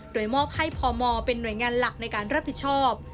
โดยมอบให้พมเป็นหน่วยงานหลักในการรับผิดชอบ